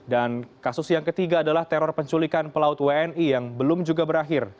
dan kasus yang ketiga adalah teror penculikan pelaut wni yang belum juga berakhir